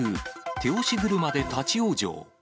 手押し車で立往生。